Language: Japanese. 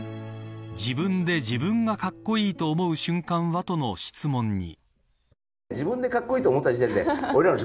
自分で自分がかっこいいと思う瞬間は、との質問に。